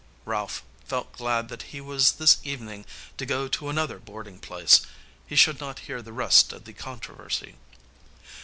Ralph felt glad that he was this evening to go to another boarding place. He should not hear the rest of the controversy.